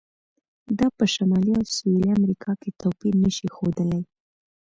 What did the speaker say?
دا په شمالي او سویلي امریکا کې توپیر نه شي ښودلی.